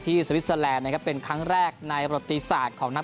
สวิสเตอร์แลนด์นะครับเป็นครั้งแรกในประติศาสตร์ของนัก